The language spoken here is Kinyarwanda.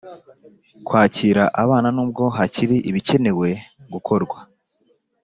kwakira abana n ubwo hakiri ibikenewe gukorwa